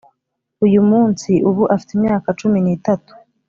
uyu munsi, ubu afite imyaka cumi n'itatu ...